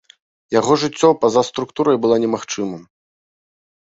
Яго жыццё па-за структурай было немагчымым.